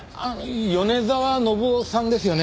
米澤信夫さんですよね？